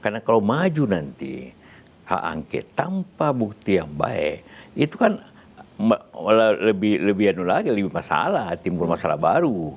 karena kalau maju nanti hak angke tanpa bukti yang baik itu kan lebih masalah tim bermasalah baru